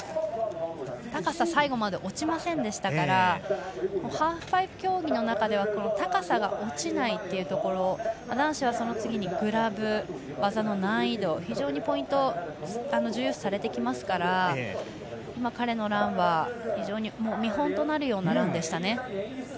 高さが最後まで落ちませんでしたからハーフパイプ競技の中では高さが落ちないというところ男子は、その次にグラブ技の難易度が非常にポイント重要視されてきますから彼のランは非常に見本となるようなランでしたね。